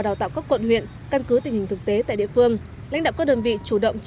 đào tạo các quận huyện căn cứ tình hình thực tế tại địa phương lãnh đạo các đơn vị chủ động cho